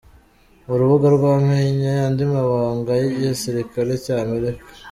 Urubuga rwamennye andi mabanga y’Igisirikari cy’Amerika